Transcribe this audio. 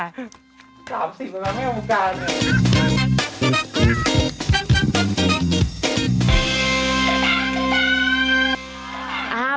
๓๐แล้วนะแม่กลุ่มการ